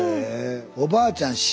おばあちゃん